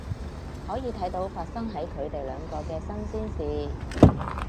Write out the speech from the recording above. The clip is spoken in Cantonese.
可以睇到發生喺佢哋兩個嘅新鮮事